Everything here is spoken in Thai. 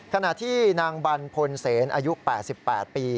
ขณะที่นางบรรพลเซนอายุ๘๘ปี